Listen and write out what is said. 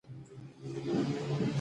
پور دي پور ، منت دي نور.